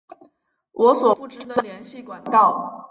我所不知的联系管道